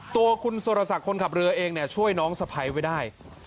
ตัวคุณสุรศักดิ์คนขับเรือเองเนี่ยช่วยน้องสะพ้ายไว้ได้